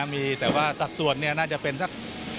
มีแต่ว่าสัดส่วนน่าจะเป็นสัก